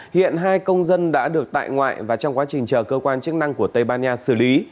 hiện hai công dân đã được tại ngoại và trong quá trình chờ cơ quan chức năng của tây ban nha xử lý